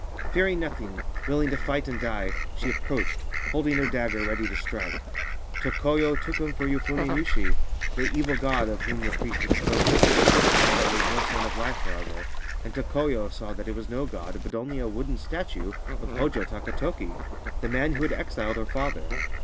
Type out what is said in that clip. Fearing nothing, willing to figh and die, she approached, holding her dagger ready t< strike. Tokoyo took him for Yofune Nushi, the evi god of whom the priest had spoken. The god made nc sign of life, however, and Tokoyo saw that it was no god but only a wooden statue of Hojo Takatoki, the man wh< had exiled her father.